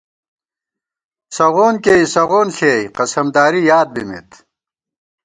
سغون کېئ سغون ݪِیَئی، قسمداری یاد بِمېت